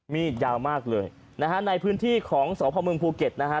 มีดยาวมากเลยนะฮะในพื้นที่ของสพมภูเก็ตนะฮะ